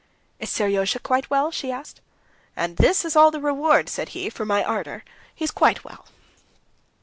"Is Seryozha quite well?" she asked. "And is this all the reward," said he, "for my ardor? He's quite well...."